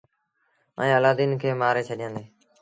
ائيٚݩ الآدين کي مآري ڇڏيآندي۔